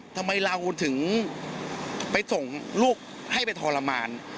ทำไมเราถึงไปส่งลูกไปท็อตรมาน